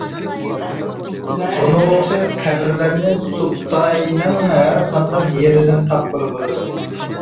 بۇنىڭغا ئوخشاش قەبرىلەرنى سۇپتاينىڭ ھەر قانداق يېرىدىن تاپقىلى بولىدۇ.